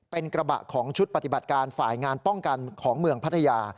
เป็นกระบะของชุดปฏิบัติการฝ่ายงานป้องกันของเมืองพัทยา